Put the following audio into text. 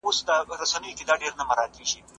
که بریا وي، تیارې نه پاتې کېږي.